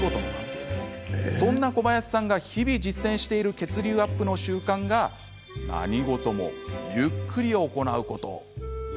そんな小林さんが日々実践している血流アップの習慣が何事も、ゆっくり行うこと。